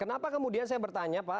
kenapa kemudian saya bertanya pak